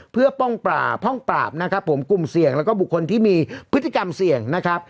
เพื่อป้องปราบป้องปราบนะครับผมกลุ่มเสี่ยงแล้วก็บุคคลที่มีพฤติกรรมเสี่ยงนะครับ